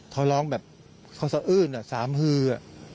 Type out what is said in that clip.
เขาร้องแบบเขาสะอื้นสามฮือ